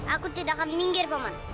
aku tidak akan minggir paman